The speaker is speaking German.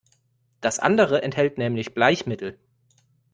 Das andere enthält nämlich Bleichmittel.